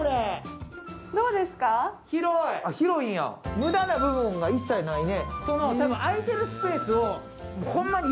無駄な部分が一切ないね。